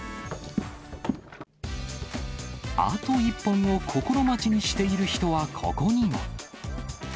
あと１本を心待ちにしている人は、ここにも。